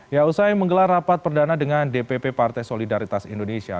ya usai menggelar rapat perdana dengan dpp partai solidaritas indonesia